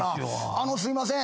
あのすいません